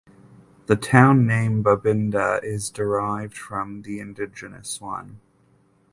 The town name "Babinda" is derived from the indigenous one.